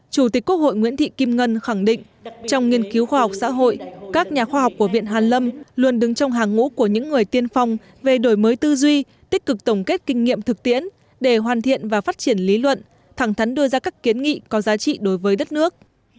chủ tịch quốc hội nguyễn thị kim ngân khẳng định trong nghiên cứu khoa học xã hội các nhà khoa học của viện hàn lâm luôn đứng trong hàng ngũ của những người tiên phong về đổi mới tư duy tích cực tổng kết kinh nghiệm thực tiễn để hoàn thiện và phát triển lý luận thẳng thắn đưa ra các kiến nghị có giá trị đối với đất nước